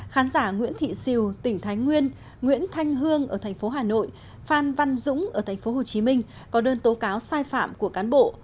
khán giả nguyễn thị sìu tỉnh thái nguyên nguyễn thanh hương ở thành phố hà nội phan văn dũng ở thành phố hồ chí minh có đơn tố cáo sai phạm của cán bộ